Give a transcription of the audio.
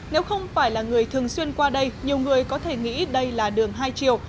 nếu không phải là người thường xuyên qua đây nhiều người có thể nghĩ đây là đường hai chiều